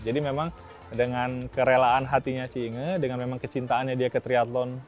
jadi memang dengan kerelaan hatinya cie inge dengan memang kecintaannya dia ke triathlon